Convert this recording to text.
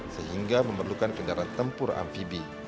sehingga memerlukan kendaraan tempur amfibi